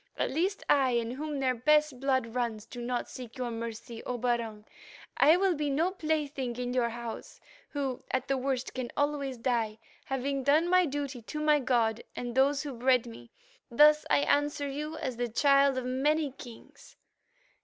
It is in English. At least I, in whom their best blood runs, do not seek your mercy, O Barung. I'll be no plaything in your house, who, at the worst, can always die, having done my duty to my God and those who bred me. Thus I answer you as the Child of many Kings.